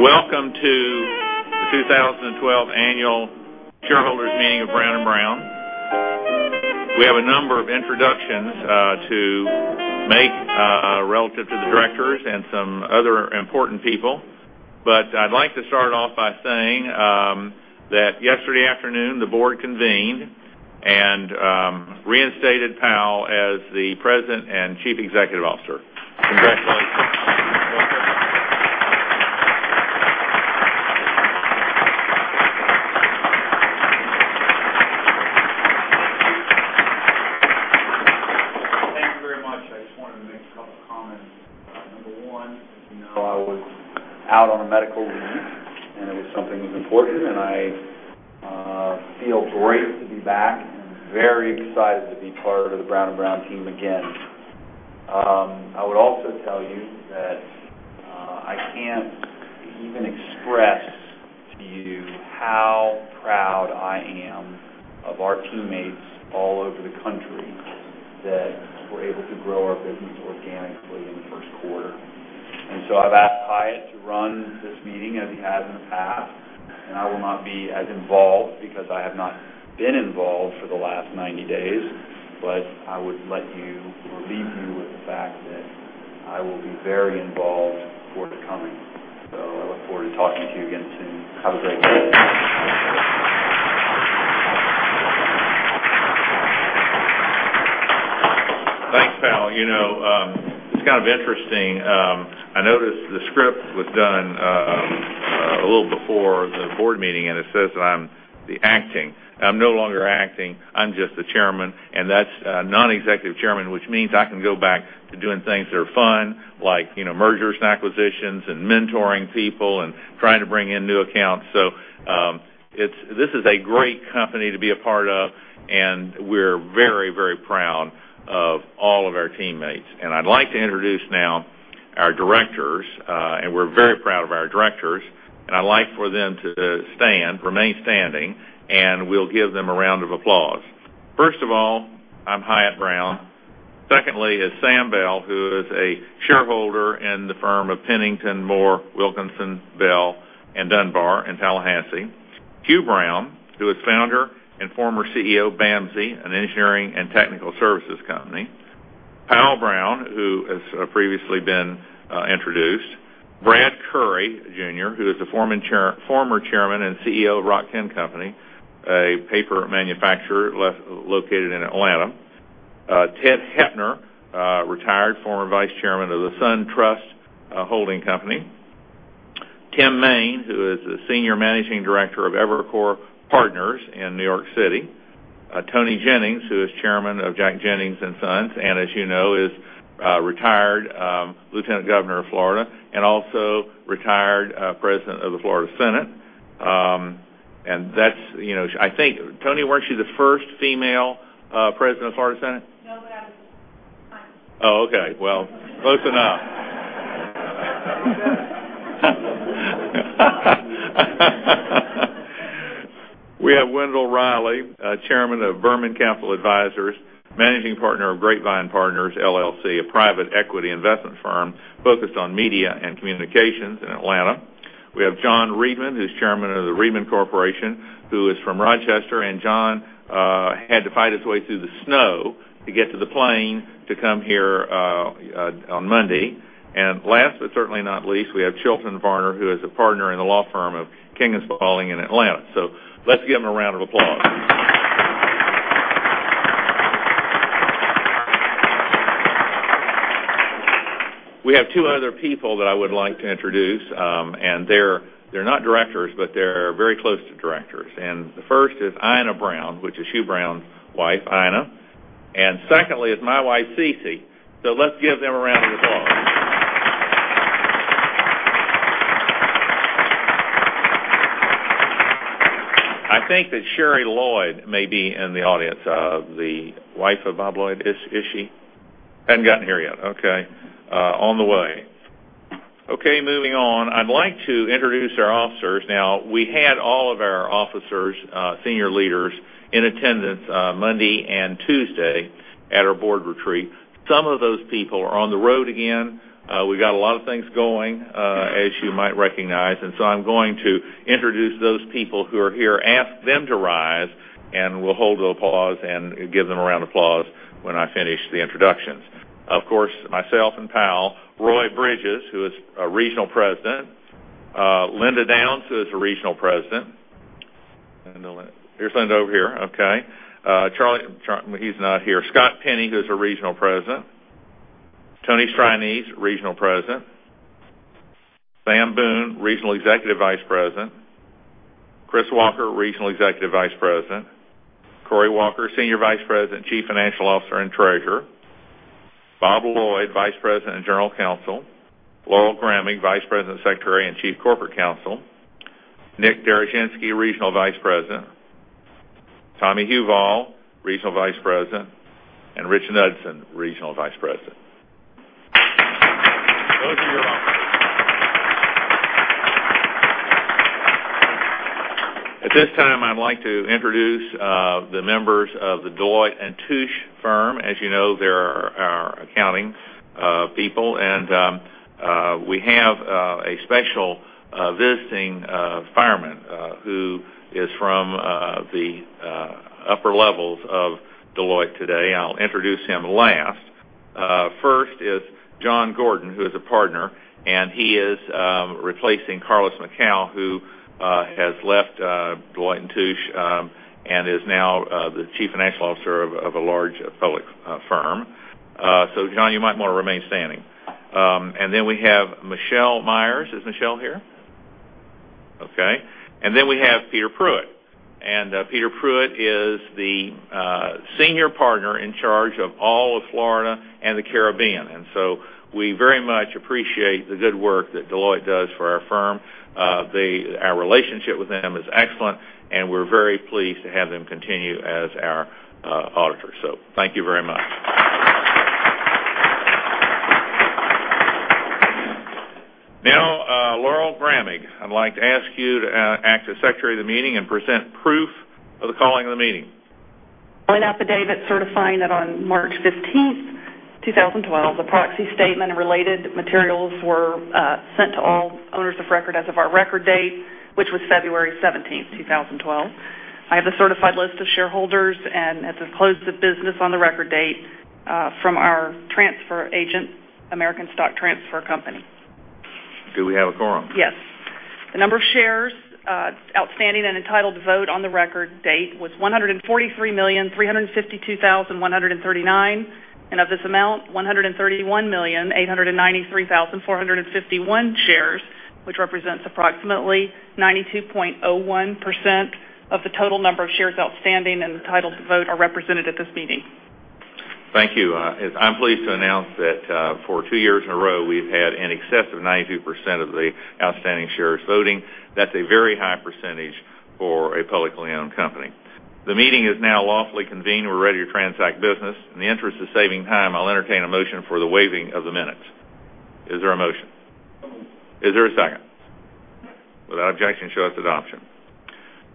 Welcome to the 2012 annual shareholders meeting of Brown & Brown, Inc. We have a number of introductions to make relative to the directors and some other important people. I'd like to start off by saying that yesterday afternoon, the board convened and reinstated Powell as the President and Chief Executive Officer. Congratulations. Thank you very much. I just wanted to make a couple comments. Number one, as you know, I was out on a medical leave, and it was something that was important, and I feel great to be back and very excited to be part of the Brown & Brown, Inc. team again. I would also tell you that I can't even express to you how proud I am of our teammates all over the country that were able to grow our business organically in the first quarter. I've asked Hyatt to run this meeting as he has in the past, and I will not be as involved because I have not been involved for the last 90 days, I would leave you with the fact that I will be very involved for the coming. I look forward to talking to you again soon. Have a great day. Thanks, Powell. It's kind of interesting. I noticed the script was done a little before the board meeting, and it says that I'm the acting. I'm no longer acting, I'm just the chairman, and that's non-executive chairman, which means I can go back to doing things that are fun, like mergers and acquisitions and mentoring people and trying to bring in new accounts. This is a great company to be a part of, and we're very proud of all of our teammates. I'd like to introduce now our directors, and we're very proud of our directors, and I'd like for them to remain standing, and we'll give them a round of applause. First of all, I'm Hyatt Brown. Secondly is Sam Bell, who is a shareholder in the firm of Pennington, Moore, Wilkinson, Bell & Dunbar in Tallahassee. Hugh Brown, who is founder and former CEO of BAMSI, Inc., an engineering and technical services company. Powell Brown, who has previously been introduced. Bradley Currey, Jr., who is the former Chairman and CEO of RockTenn Company, a paper manufacturer located in Atlanta. Theodore J. Hoepner, retired former Vice Chairman of the SunTrust holding company. Timothy R. M. Main, who is the Senior Managing Director of Evercore Partners in New York City. Toni Jennings, who is Chairman of Jack Jennings & Sons, and as you know, is retired Lieutenant Governor of Florida, and also retired President of the Florida Senate. I think, Toni, weren't you the first female President of the Florida Senate? Oh, okay. Well, close enough. We have Wendell Reilly, chairman of Behrman Capital, managing partner of Grapevine Partners LLC, a private equity investment firm focused on media and communications in Atlanta. We have John Riedman, who's chairman of the Riedman Corporation, who is from Rochester. John had to fight his way through the snow to get to the plane to come here on Monday. Last, but certainly not least, we have Chilton Varner, who is a partner in the law firm of King & Spalding in Atlanta. Let's give him a round of applause. We have two other people that I would like to introduce. They're not directors, but they're very close to directors. The first is Ina Brown, which is Hugh Brown's wife, Ina. Secondly is my wife, Cece. Let's give them a round of applause. I think that Sherri Lloyd may be in the audience, the wife of Bob Lloyd. Is she? Hasn't gotten here yet. Okay. On the way. Okay, moving on. I'd like to introduce our officers now. We had all of our officers, senior leaders, in attendance Monday and Tuesday at our board retreat. Some of those people are on the road again. We've got a lot of things going, as you might recognize. I'm going to introduce those people who are here, ask them to rise, and we'll hold the applause and give them a round of applause when I finish the introductions. Of course, myself and Powell. Roy Bridges, who is a regional president. Linda Downs, who is a regional president. Here's Linda over here. Okay. Charlie, he's not here. Scott Penny, who's a regional president. Tony Strianese, regional president. Sam Boone, regional executive vice president. Chris Walker, regional executive vice president. Cory Walker, senior vice president, chief financial officer, and treasurer. Bob Lloyd, vice president and general counsel. Laurel Grammig, vice president, secretary, and chief corporate counsel. Nick Daroshefsky, regional vice president. Tommy Huval, regional vice president, and Rich Knudsen, regional vice president. Those are your officers. At this time, I'd like to introduce the members of the Deloitte & Touche firm. As you know, they are our accounting people. We have a special visiting fireman who is from the upper levels of Deloitte today. I'll introduce him last. First is John Gordon, who is a partner. He is replacing Carlos McCown, who has left Deloitte & Touche and is now the chief financial officer of a large public firm. John, you might want to remain standing. Then we have Michelle Myers. Is Michelle here? Okay. Then we have Peter Pruitt. Peter Pruitt is the senior partner in charge of all of Florida and the Caribbean. So we very much appreciate the good work that Deloitte does for our firm. Our relationship with them is excellent, and we are very pleased to have them continue as our auditors. Thank you very much. Now, Laurel Grammig, I would like to ask you to act as Secretary of the meeting and present proof of the calling of the meeting. An affidavit certifying that on March 15th, 2012, the proxy statement and related materials were sent to all owners of record as of our record date, which was February 17th, 2012. I have a certified list of shareholders as of close of business on the record date from our transfer agent, American Stock Transfer & Trust Company. Do we have a quorum? Yes. The number of shares outstanding and entitled to vote on the record date was 143,352,139, of this amount, 131,893,451 shares, which represents approximately 92.01% of the total number of shares outstanding and entitled to vote are represented at this meeting. Thank you. I'm pleased to announce that for two years in a row, we've had in excess of 92% of the outstanding shares voting. That's a very high percentage for a publicly owned company. The meeting is now lawfully convened, and we're ready to transact business. In the interest of saving time, I'll entertain a motion for the waiving of the minutes. Is there a motion? Moved. Is there a second? Second. Without objection, so its adoption.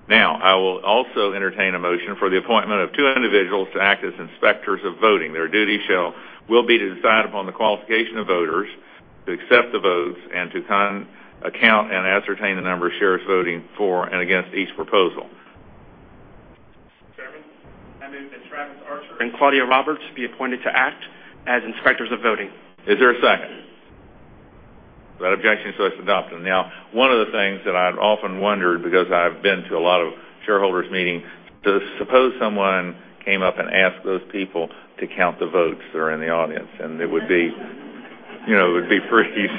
Now, I will also entertain a motion for the appointment of two individuals to act as inspectors of voting. Their duty will be to decide upon the qualification of voters, to accept the votes, and to count, account, and ascertain the number of shares voting for and against each proposal. Chairman, I move that Travis Archer- Claudia Roberts be appointed to act as inspectors of voting. Is there a second? Second. Without objection, it's adopted. One of the things that I've often wondered, because I've been to a lot of shareholders meetings, does suppose someone came up and asked those people to count the votes that are in the audience, and it would be freeze.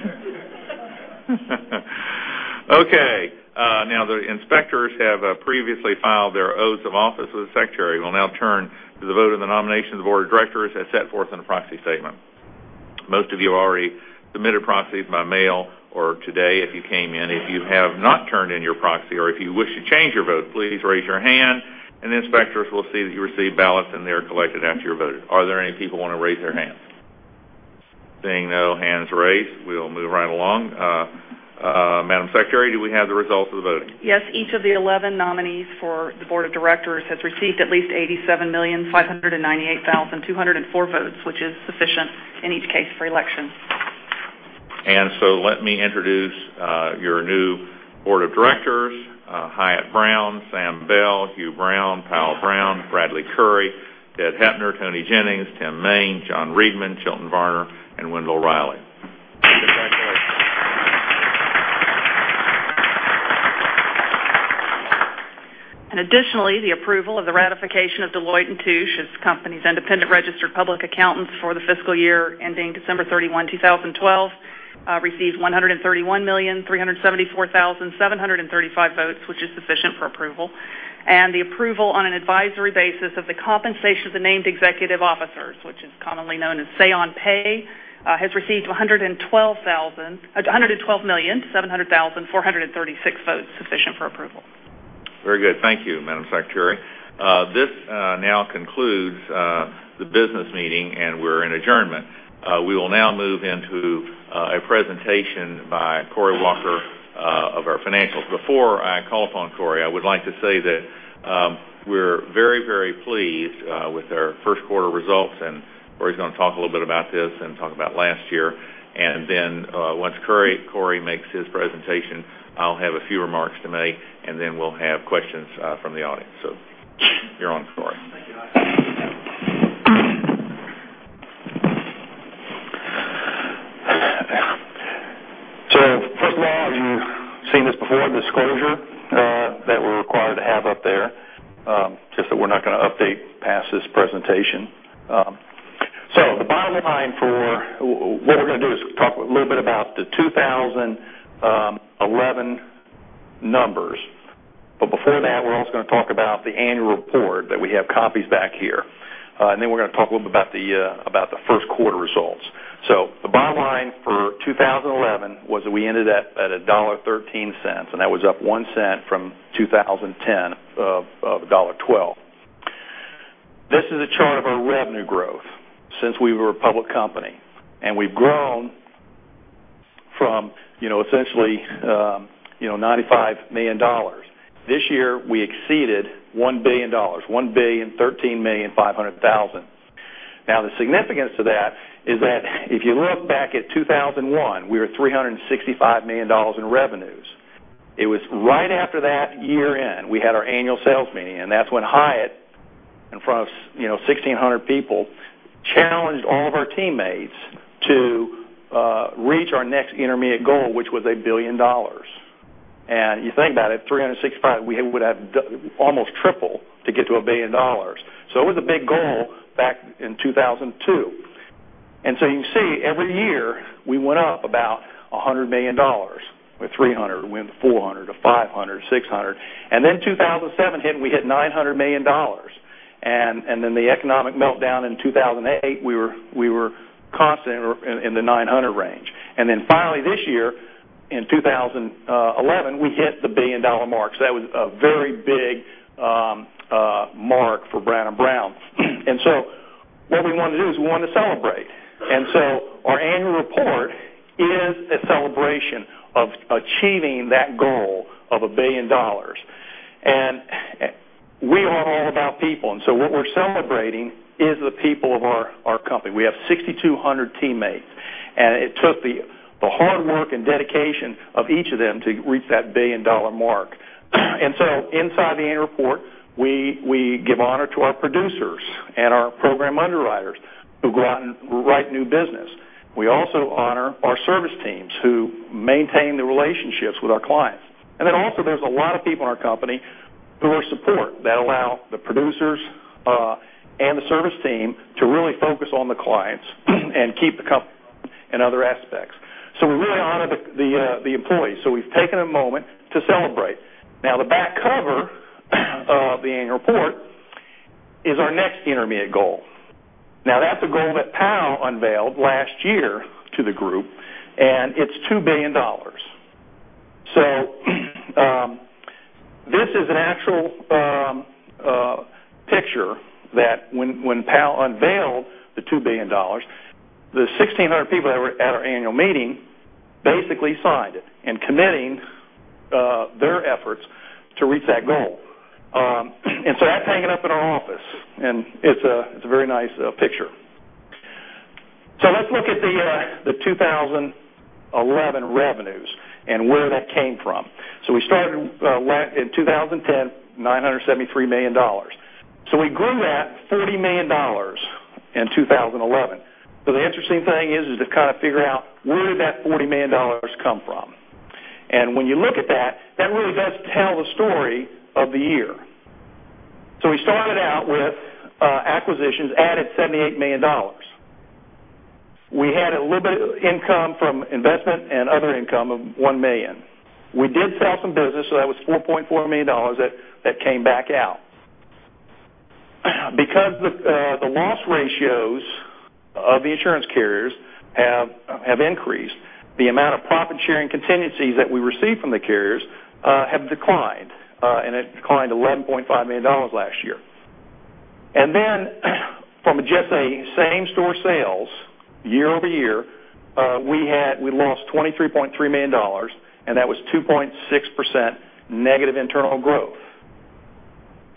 Okay. The inspectors have previously filed their oaths of office with the Secretary. We'll now turn to the vote of the nomination of the board of directors as set forth in the proxy statement. Most of you already submitted proxies by mail or today if you came in. If you have not turned in your proxy or if you wish to change your vote, please raise your hand, and the inspectors will see that you receive ballots, and they are collected after you're voted. Are there any people who want to raise their hands? Seeing no hands raised, we'll move right along. Madam Secretary, do we have the results of the voting? Yes. Each of the 11 nominees for the board of directors has received at least 87,598,204 votes, which is sufficient in each case for election. Let me introduce your new board of directors, Hyatt Brown, Sam Bell, Hugh Brown, Powell Brown, Bradley Currey, Ted Hoepner, Toni Jennings, Tim Main, John Reedman, Chilton Varner, and Wendell Reilly. Congratulations. Additionally, the approval of the ratification of Deloitte & Touche as the company's independent registered public accountants for the fiscal year ending December 31, 2012, received 131,374,735 votes, which is sufficient for approval. The approval on an advisory basis of the compensation of the named executive officers, which is commonly known as Say on Pay, has received 112,700,436 votes, sufficient for approval. Very good. Thank you, Madam Secretary. This now concludes the business meeting, and we're in adjournment. We will now move into a presentation by Cory Walker of our financials. Before I call upon Cory, I would like to say that we're very, very pleased with our first quarter results, and Cory's going to talk a little bit about this and talk about last year. Then once Cory makes his presentation, I'll have a few remarks to make, and then we'll have questions from the audience. You're on, Cory. Thank you. First of all, you've seen this before, disclosure that we're required to have up there, just that we're not going to update past this presentation. The bottom line for what we're going to do is talk a little bit about the 2011 numbers. Before that, we're also going to talk about the annual report that we have copies back here. Then we're going to talk a little bit about the first quarter results. The bottom line for 2011 was that we ended at $1.13, and that was up $0.01 from 2010 of $1.12. This is a chart of our revenue growth since we were a public company, and we've grown from essentially $95 million. This year, we exceeded $1 billion, $1,013,500,000. The significance of that is that if you look back at 2001, we were $365 million in revenues. It was right after that year-end, we had our annual sales meeting, and that's when Hyatt, in front of 1,600 people, challenged all of our teammates to reach our next intermediate goal, which was $1 billion. You think about it, 365, we would have almost triple to get to $1 billion. It was a big goal back in 2002. You see, every year, we went up about $100 million. Went $300 million, went $400 million to $500 million, $600 million. Then 2007 hit, and we hit $900 million. Then the economic meltdown in 2008, we were constant in the $900 million range. Then finally this year, in 2011, we hit the $1 billion mark. That was a very big mark for Brown & Brown. What we want to do is we want to celebrate. Our annual report is a celebration of achieving that goal of $1 billion. We are all about people, and what we're celebrating is the people of our company. We have 6,200 teammates, and it took the hard work and dedication of each of them to reach that $1 billion mark. Inside the annual report, we give honor to our producers and our program underwriters who go out and write new business. We also honor our service teams who maintain the relationships with our clients. Also, there's a lot of people in our company who are support that allow the producers and the service team to really focus on the clients and keep the company running in other aspects. We really honor the employees. We've taken a moment to celebrate. The back cover of the annual report is our next intermediate goal. That's a goal that Powell unveiled last year to the group, and it's $2 billion. This is an actual picture that when Powell unveiled the $2 billion, the 1,600 people that were at our annual meeting basically signed it in committing their efforts to reach that goal. That's hanging up in our office, and it's a very nice picture. Let's look at the 2011 revenues and where that came from. We started in 2010, $973 million. We grew that $40 million in 2011. The interesting thing is to kind of figure out where did that $40 million come from. When you look at that really does tell the story of the year. We started out with acquisitions, added $78 million. We had a little bit of income from investment and other income of $1 million. We did sell some business, that was $4.4 million that came back out. Because the loss ratios of the insurance carriers have increased, the amount of profit-sharing contingencies that we receive from the carriers have declined, and it declined $11.5 million last year. From just a same-store sales year-over-year, we lost $23.3 million, and that was 2.6% negative internal growth.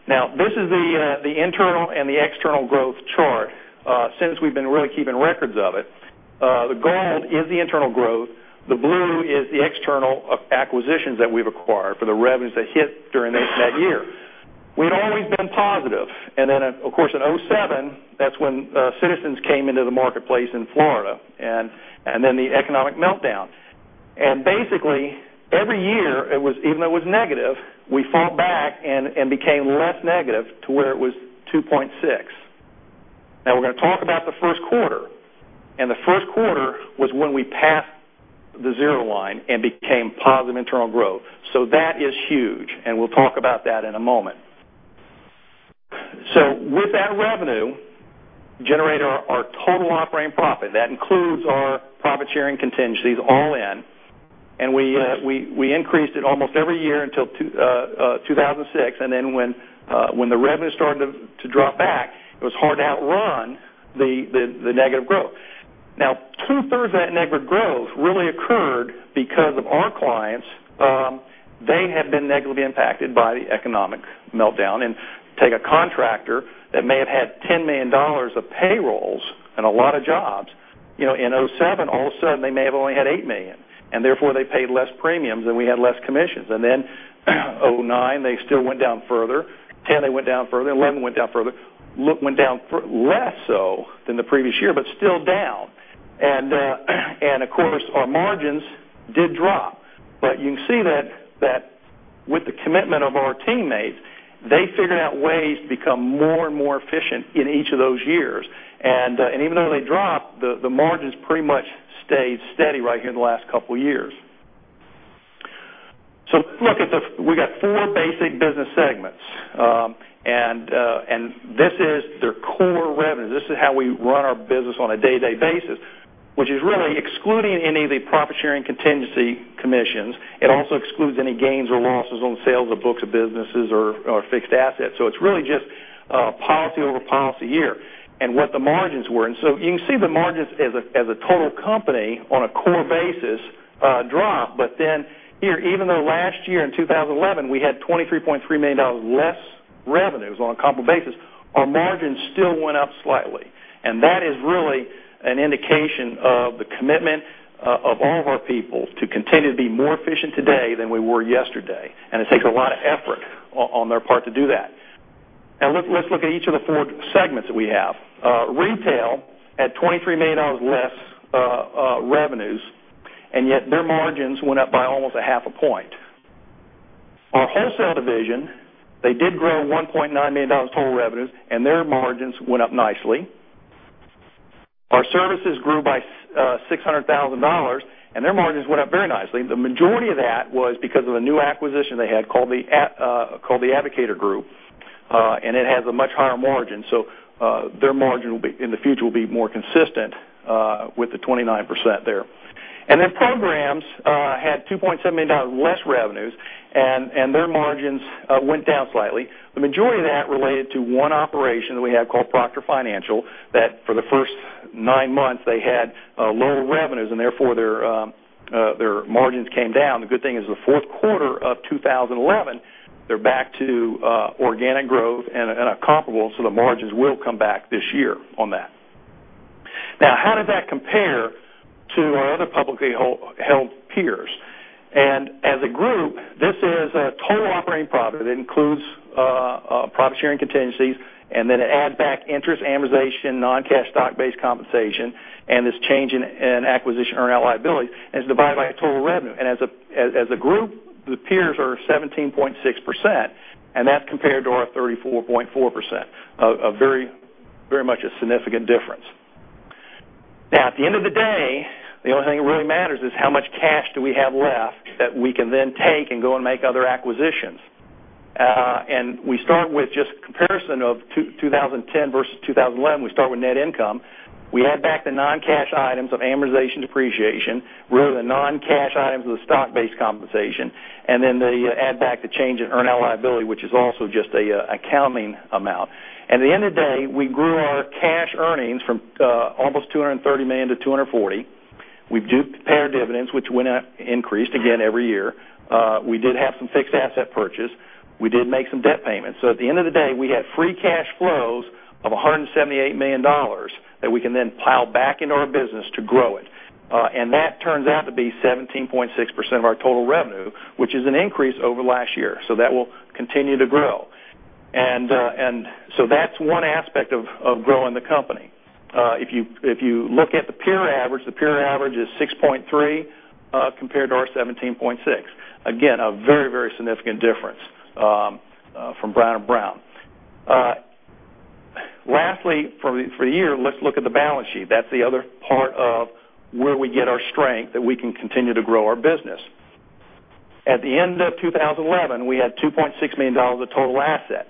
This is the internal and the external growth chart since we've been really keeping records of it. The gold is the internal growth. The blue is the external acquisitions that we've acquired for the revenues that hit during that year. We'd always been positive. Then, of course, in 2007, that's when Citizens came into the marketplace in Florida and then the economic meltdown. Every year, even though it was negative, we fought back and became less negative to where it was 2.6%. We're going to talk about the first quarter, and the first quarter was when we passed the zero line and became positive internal growth. That is huge, and we'll talk about that in a moment. With that revenue, generated our total operating profit. That includes our profit-sharing contingencies all in. We increased it almost every year until 2006. When the revenues started to drop back, it was hard to outrun the negative growth. Two-thirds of that negative growth really occurred because of our clients. They have been negatively impacted by the economic meltdown. Take a contractor that may have had $10 million of payrolls and a lot of jobs. In 2007, all of a sudden, they may have only had $8 million, and therefore they paid less premiums, and we had less commissions. In 2009, they still went down further. 2010, they went down further. 2011 went down further. Went down less so than the previous year, but still down. Of course, our margins did drop. You can see that with the commitment of our teammates, they figured out ways to become more and more efficient in each of those years. Even though they dropped, the margins pretty much stayed steady right here in the last couple of years. We got 4 basic business segments, and this is their core revenue. This is how we run our business on a day-to-day basis. Which is really excluding any of the profit-sharing contingency commissions. It also excludes any gains or losses on sales of books of businesses or fixed assets. It's really just policy over policy year and what the margins were. You can see the margins as a total company on a core basis drop. Here, even though last year in 2011, we had $23.3 million less revenues on a comparable basis, our margins still went up slightly. That is really an indication of the commitment of all of our people to continue to be more efficient today than we were yesterday. It takes a lot of effort on their part to do that. Let's look at each of the four segments that we have. Retail had $23 million less revenues, yet their margins went up by almost a half a point. Our wholesale division, they did grow $1.9 million total revenues, their margins went up nicely. Our services grew by $600,000, their margins went up very nicely. The majority of that was because of a new acquisition they had called The Advocator Group. It has a much higher margin, their margin in the future will be more consistent with the 29% there. Programs had $2.7 million less revenues, their margins went down slightly. The majority of that related to one operation that we have called Proctor Financial, that for the first nine months, they had lower revenues, therefore their margins came down. The good thing is the fourth quarter of 2011, they're back to organic growth and are comparable, the margins will come back this year on that. How does that compare to our other publicly held peers? As a group, this is a total operating profit. It includes profit-sharing contingencies, it add back interest, amortization, non-cash stock-based compensation, this change in acquisition earnout liability, it's divided by total revenue. As a group, the peers are 17.6%, that's compared to our 34.4%. Very much a significant difference. At the end of the day, the only thing that really matters is how much cash do we have left that we can then take and go and make other acquisitions. We start with just a comparison of 2010 versus 2011. We start with net income. We add back the non-cash items of amortization, depreciation. We're the non-cash items of the stock-based compensation, they add back the change in earnout liability, which is also just a accounting amount. At the end of the day, we grew our cash earnings from almost $230 million to $240 million. We do pay our dividends, which increased again every year. We did have some fixed asset purchase. We did make some debt payments. At the end of the day, we had free cash flows of $178 million that we can then pile back into our business to grow it. That turns out to be 17.6% of our total revenue, which is an increase over last year. That will continue to grow. That's one aspect of growing the company. If you look at the peer average, the peer average is 6.3% compared to our 17.6%. Again, a very significant difference from Brown & Brown. Lastly, for the year, let's look at the balance sheet. That's the other part of where we get our strength that we can continue to grow our business. At the end of 2011, we had $2.6 million of total assets.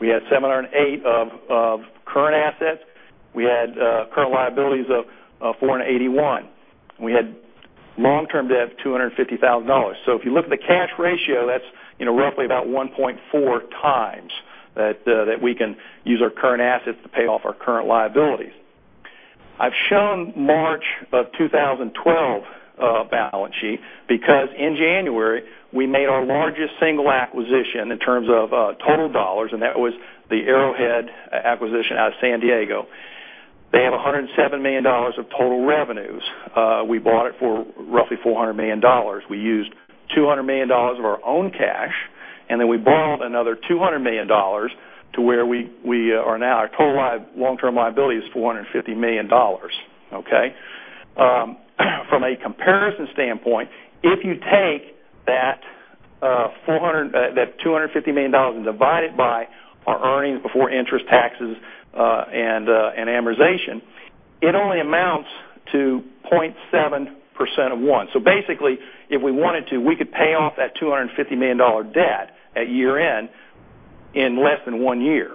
We had $708 million of current assets. We had current liabilities of $481 million, and we had long-term debt of $250,000. If you look at the cash ratio, that's roughly about 1.4 times that we can use our current assets to pay off our current liabilities. I've shown March of 2012 balance sheet, because in January, we made our largest single acquisition in terms of total dollars, and that was the Arrowhead acquisition out of San Diego. They have $107 million of total revenues. We bought it for roughly $400 million. We used $200 million of our own cash, we borrowed another $200 million to where we are now. Our total long-term liability is $450 million. Okay? From a comparison standpoint, if you take that $250 million and divide it by our earnings before interest, taxes, and amortization, it only amounts to 0.7% of one. Basically, if we wanted to, we could pay off that $250 million debt at year-end in less than one year.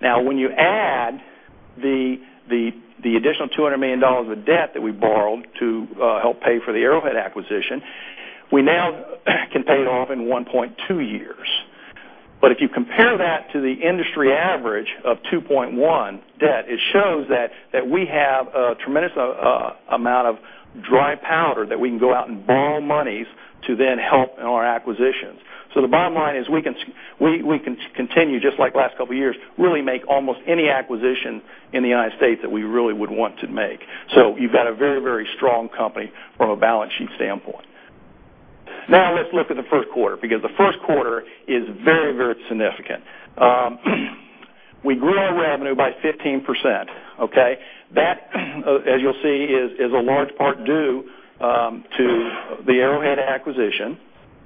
When you add the additional $200 million of debt that we borrowed to help pay for the Arrowhead acquisition, we now can pay it off in 1.2 years. If you compare that to the industry average of 2.1 debt, it shows that we have a tremendous amount of dry powder that we can go out and borrow monies to then help in our acquisitions. The bottom line is we can continue, just like the last couple of years, really make almost any acquisition in the U.S. that we really would want to make. You've got a very strong company from a balance sheet standpoint. Let's look at the first quarter, because the first quarter is very significant. We grew our revenue by 15%. Okay? That, as you'll see, is a large part due to the Arrowhead acquisition,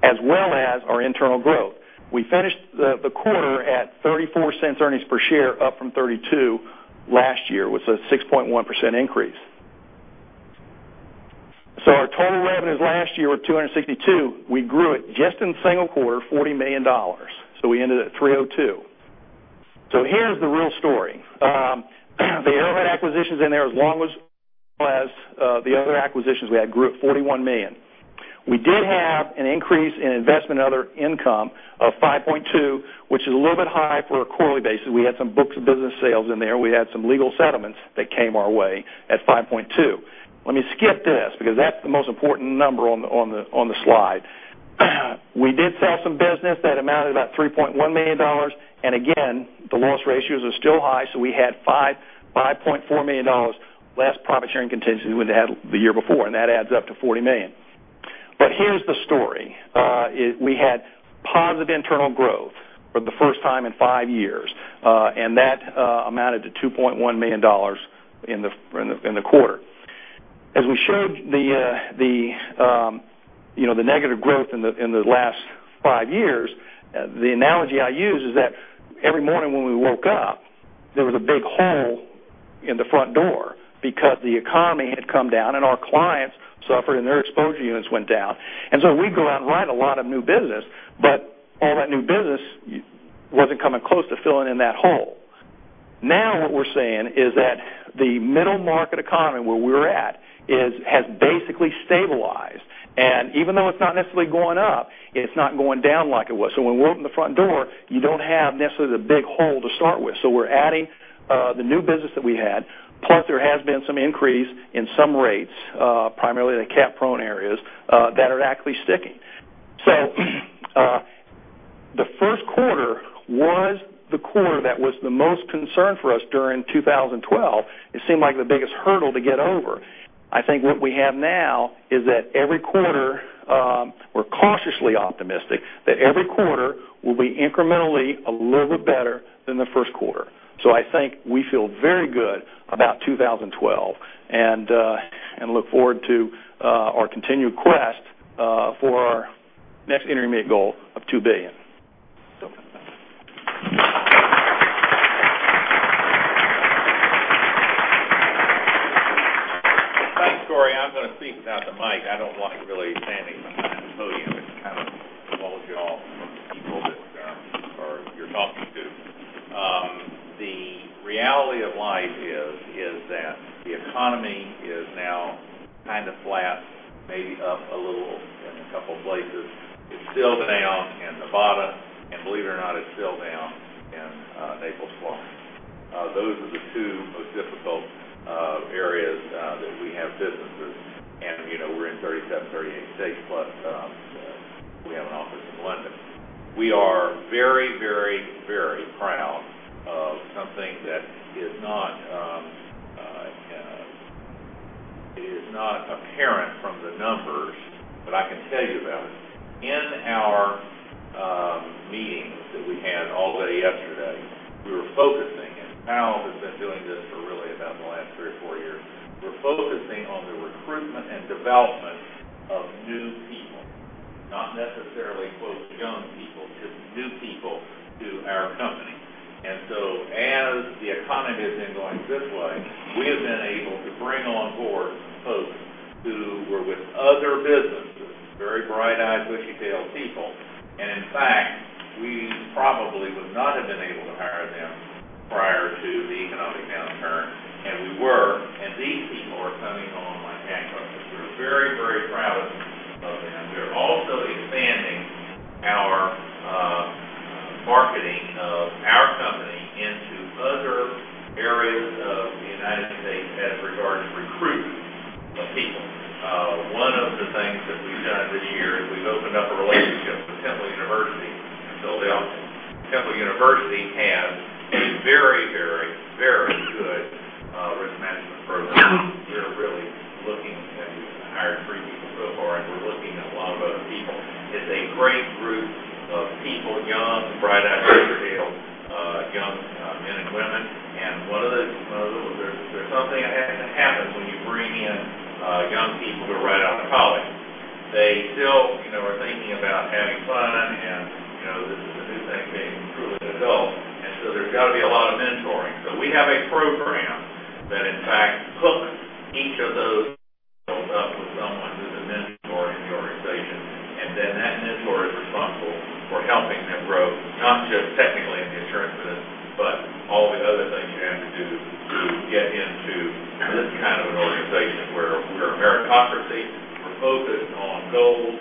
as well as our internal growth. We finished the quarter at $0.34 earnings per share, up from $0.32 last year, with a 6.1% increase. Our total revenues last year were $262 million. We grew it just in the single quarter, $40 million. We ended at $302 million. Here's the real story. The air acquisitions in there, as well as the other acquisitions we had grew at $41 million. We did have an increase in investment and other income of $5.2 million, which is a little bit high for a quarterly basis. We had some books of business sales in there. We had some legal settlements that came our way at $5.2 million. Let me skip this because that's the most important number on the slide. We did sell some business that amounted to about $3.1 million. The loss ratios are still high, we had $5.4 million less profit sharing contingency than we had the year before, that adds up to $40 million. Here's the story. We had positive internal growth for the first time in five years. That amounted to $2.1 million in the quarter. As we showed the negative growth in the last five years, the analogy I use is that every morning when we woke up, there was a big hole in the front door because the economy had come down and our clients suffered and their exposure units went down. We'd go out and write a lot of new business, but all that new business wasn't coming close to filling in that hole. What we're saying is that the middle market economy where we're at has basically stabilized. Even though it's not necessarily going up, it's not going down like it was. When we open the front door, you don't have necessarily the big hole to start with. We're adding the new business that we had, plus there has been some increase in some rates, primarily in the cat-prone areas, that are actually sticking. The first quarter was the quarter that was the most concern for us during 2012. It seemed like the biggest hurdle to get over. I think what we have now is that every quarter, we're cautiously optimistic that every quarter will be incrementally a little bit better than the first quarter. I think we feel very good about 2012 and look forward to our continued quest for our next intermediate goal of $2 billion. Thanks, Cory. I'm going to speak without the mic. I don't like really standing behind the podium. It kind of walls you off from the people that you're talking to. The reality of life is that the economy is now kind of flat, maybe up a little in a couple places. It's still down in Nevada, and believe it or not, it's still down in Naples, Florida. Those are the two most difficult areas that we have businesses. We're in 37, 38 states, plus we have an office in London. We are very proud of something that is not apparent from the numbers, but I can tell you about it. In our meetings that we had all day yesterday, we were focusing, and Powell has been doing this for really about the last three or four years. We're focusing on the recruitment and development of new people, not necessarily quote, "young people," just new people to our company. As the economy has been going this way, we have been able to bring on board folks who were with other businesses, very bright-eyed, bushy-tailed people. In fact, we probably would not have been able to hire them prior to the economic downturn, and we were, and these people are coming on like gangbusters. We're very proud of them. We are also expanding our marketing of our company into other areas of the U.S. as regard to recruitment of people. One of the things that we've done this year is we've opened up a relationship with Temple University in Philadelphia. Temple University has a very good risk management program. We've hired 3 people so far, and we're looking at a lot of other people. It's a great group of people, young, bright-eyed, bushy-tailed, young men and women. There's something that happens when you bring in young people who are right out of college. They still are thinking about having fun, and this is a new thing, being truly an adult. There's got to be a lot of mentoring. We have a program that, in fact, hooks each of those folks up with someone who's a mentor in the organization, and then that mentor is responsible for helping them grow, not just technically in the insurance business, but all the other things you have to do to get into this kind of an organization where we're a meritocracy. We're focused on goals,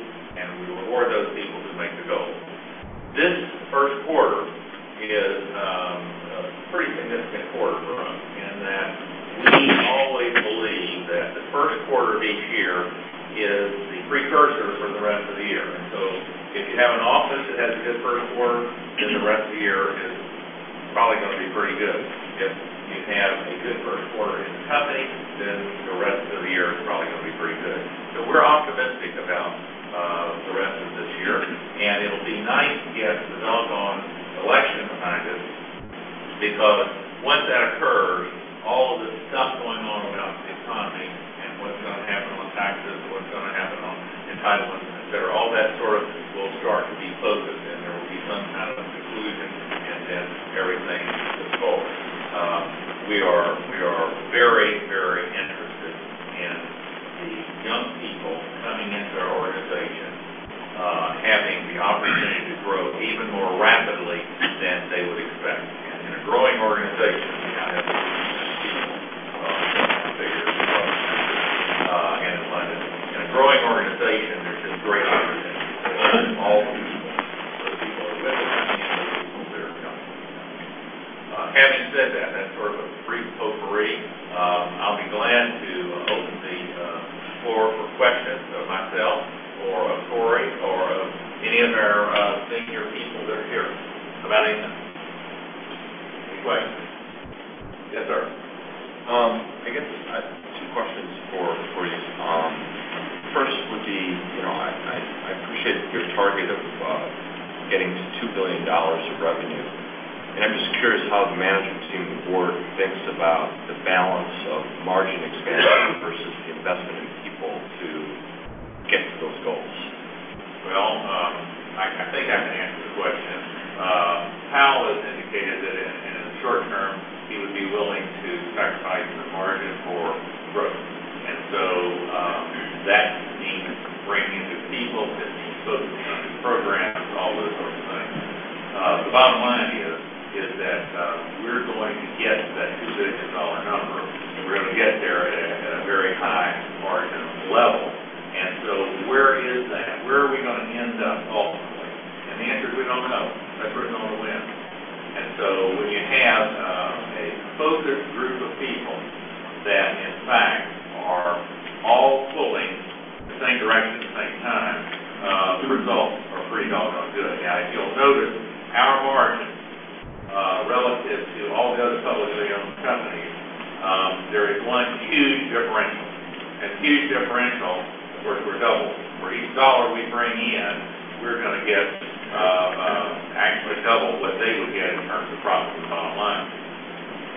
actually double what they would get in terms of profits bottom line.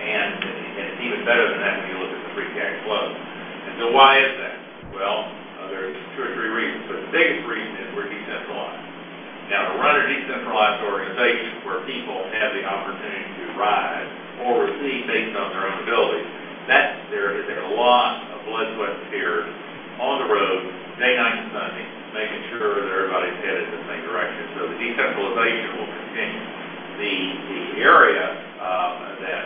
It's even better than that when you look at the free cash flow. Why is that? Well, there's two or three reasons, but the biggest reason is we're decentralized. Now, to run a decentralized organization where people have the opportunity to rise or recede based on their own abilities, there is a lot of blood, sweat, and tears on the road day, night, and Sunday, making sure that everybody's headed in the same direction. The decentralization will continue. The area that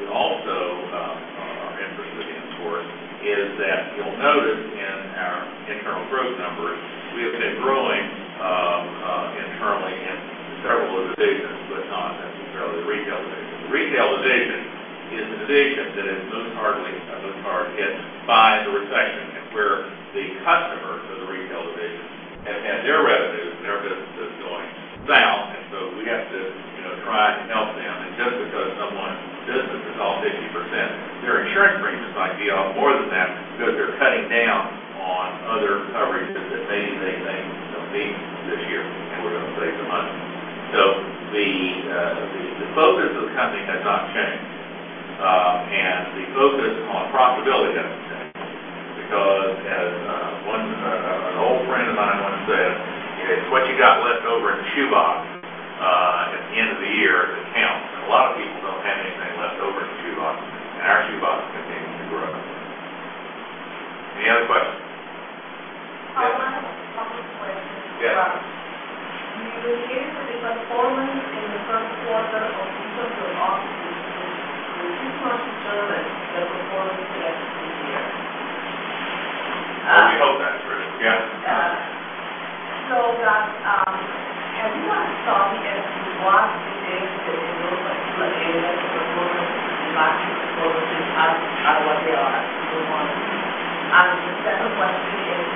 we also are interested in, of course, is that you'll notice in our internal growth numbers, we have been growing internally in several of the divisions, but not necessarily the retail division. The retail division is the division that is most hardly hit by the recession, and where the customers of the retail division have had their revenues and their businesses going south. We have to try and help them. Just because someone's business is off 50%, their insurance premiums might be off more than that because they're cutting down on other coverages that maybe they made some fees this year, and we're going to save some money. The focus of the company has not changed. The focus on profitability hasn't changed because as an old friend of mine once said, "It's what you got left over in the chew box at the end of the year that counts." A lot of people don't have anything left over in the chew box, and our chew box continues to grow. Any other questions? I have one question. Yes. You indicated the performance in the first quarter of each of your offices, which you aren't sure that the performance will actually be there. We hope that's true. Yes. Have you not started as you watch these tables or two tables, the performance, matching the performance at what they are at Q1? The second question is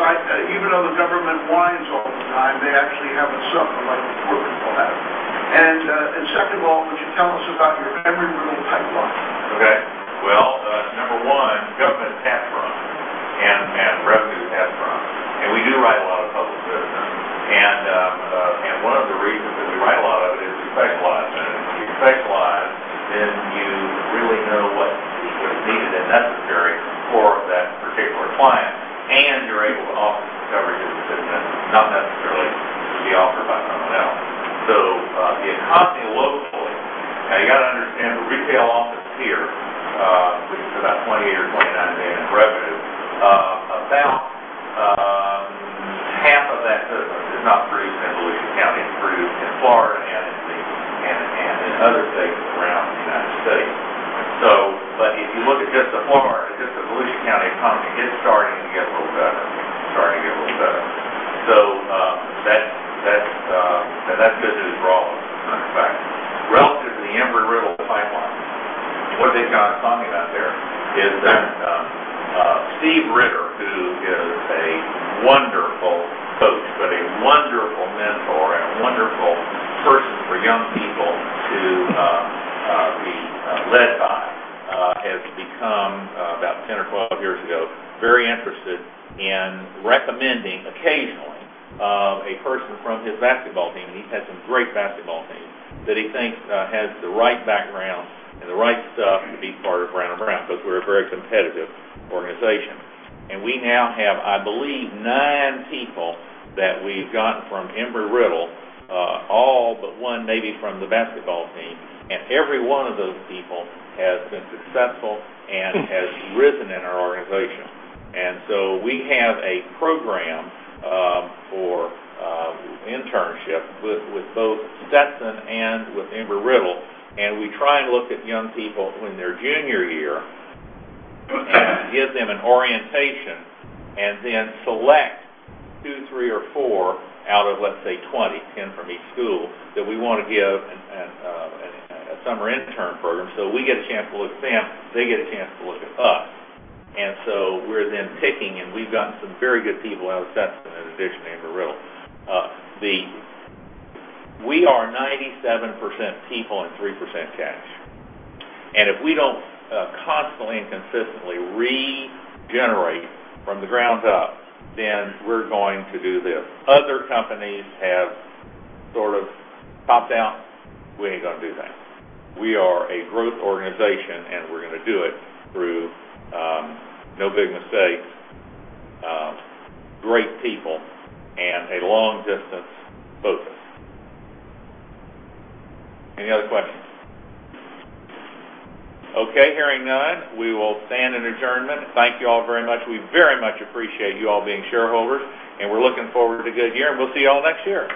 up? Because even though the government whines all the time, they actually haven't suffered like poor people have. Second of all, would you tell us about your Embry-Riddle pipeline? Okay. Well, number one, government is cash poor, and revenue is cash poor. We do write a lot of public business. One of the reasons that we write a lot of it is we specialize in it. If you specialize, then you really know what is needed and necessary for that particular client, and you're able to offer the coverage that is different, not necessarily be offered by someone else. The economy locally. Now, you got to understand the retail office here brings internships with both Stetson and with Embry-Riddle, and we try and look at young people in their junior year and give them an orientation, then select two, three, or four out of, let's say, 20, 10 from each school, that we want to give a summer intern program. We get a chance to look at them, they get a chance to look at us. We're then picking, and we've gotten some very good people out of Stetson, in addition to Embry-Riddle. We are 97% people and 3% cash. If we don't constantly and consistently regenerate from the ground up, then we're going to do this. Other companies have sort of popped out. We ain't going to do that. We are a growth organization, and we're going to do it through no big mistakes, great people, and a long-distance focus. Any other questions? Okay, hearing none, we will stand in adjournment. Thank you all very much. We very much appreciate you all being shareholders, and we're looking forward to a good year, and we'll see you all next year.